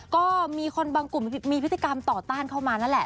ก็มีคนบางกลุ่มมีพฤติกรรมต่อต้านเข้ามานั่นแหละ